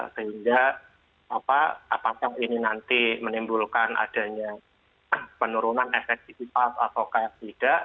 sehingga apakah ini nanti menimbulkan adanya penurunan efektivitas atau tidak